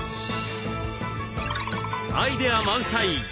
アイデア満載！